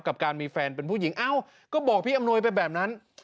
กับการมีแฟนเป็นผู้หญิงเอ้าก็บอกพี่อำนวยไปแบบนั้น